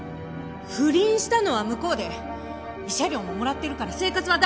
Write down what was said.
不倫したのは向こうで慰謝料ももらってるから生活は大丈夫です！